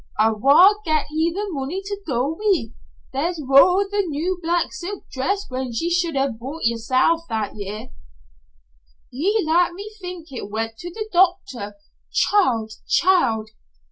"An' whaur gat he the money to go wi'? There's whaur the new black silk dress went ye should ha' bought yersel' that year. Ye lat me think it went to the doctor. Child! Child!"